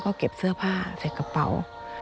ก็เก็บเสื้อผ้าใส่กระเป๋า